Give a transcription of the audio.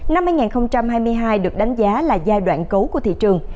năm hai nghìn hai mươi hai được đánh giá là giai đoạn cấu của thị trường